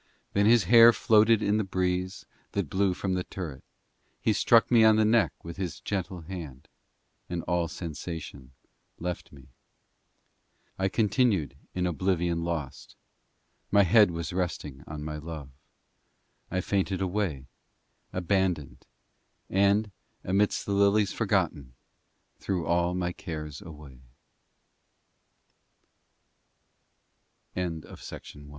Vil Then His hair floated in the breeze That blew from the turret ; He struck me on the neck With His gentle hand, And all sensation left me. Vill e I continued in oblivion lost, My head was resting on my Love; I fainted away, abandoned, And, amid the lilies forgotten, Threw all my cares